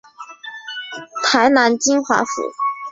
台南金华府位于台南市中西区。